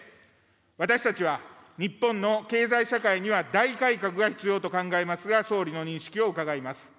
私たちは日本の経済社会には大改革が必要と考えますが、総理の認識を伺います。